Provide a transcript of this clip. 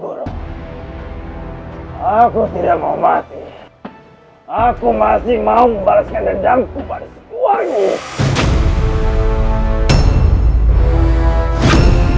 guru aku mohon guru aku tidak mau mati aku masih mau membalaskan dendamku pada sebuah ini